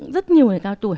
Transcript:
rất nhiều người cao tuổi